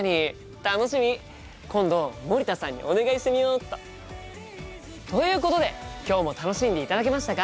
今度森田さんにお願いしてみよっと。ということで今日も楽しんでいただけましたか？